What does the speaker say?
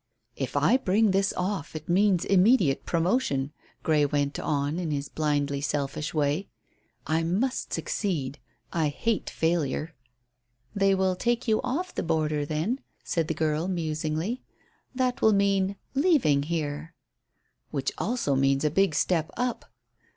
"If I bring this off it means immediate promotion," Grey went on, in his blindly selfish way. "I must succeed. I hate failure." "They will take you off the border, then," said the girl musingly. "That will mean leaving here." "Which also means a big step up."